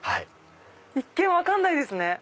一見分かんないですね。